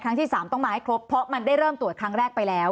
ที่๓ต้องมาให้ครบเพราะมันได้เริ่มตรวจครั้งแรกไปแล้ว